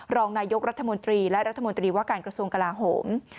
รองนายกรัฐมนตรีและรัฐมนตรีว่าการกระทรวงกลาโหม